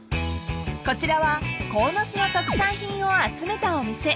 ［こちらは鴻巣の特産品を集めたお店］